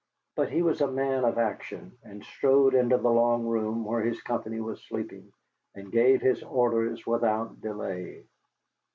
But he was a man of action, and strode into the long room where his company was sleeping and gave his orders without delay.